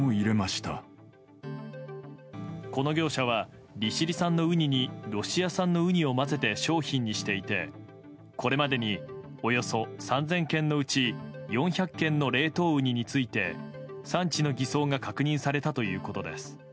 この業者は利尻産のウニにロシア産のウニを混ぜて商品にしていて、これまでにおよそ３０００件のうち４００件の冷凍ウニについて産地の偽装が確認されたということです。